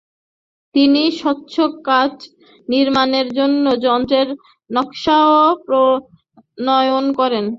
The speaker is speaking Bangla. তিনি স্বচ্ছ কাচ নির্মাণের জন্য যন্ত্রের নকশাও প্রণয়ন করেন।